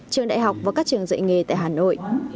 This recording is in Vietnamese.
trường đại học và các trường dạy nghề tại hà nội